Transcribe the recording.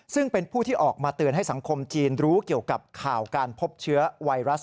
ซึ่งเป็นผู้ที่ออกมาเตือนให้สังคมจีนรู้เกี่ยวกับข่าวการพบเชื้อไวรัส